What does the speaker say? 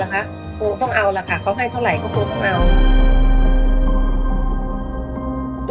ก็ต้องเอาเขาให้เท่าไหร่ก็ต้องเอา